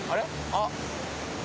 あっ！